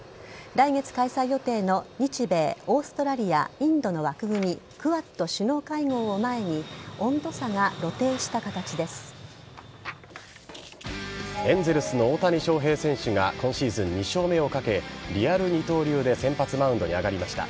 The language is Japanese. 来月開催予定の日、米、オーストラリアインドの枠組みクアッド首脳会合を前にエンゼルスの大谷翔平選手が今シーズン２勝目をかけリアル二刀流で先発マウンドに上がりました。